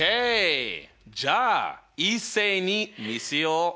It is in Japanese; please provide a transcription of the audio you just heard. じゃあ一斉に見せよう。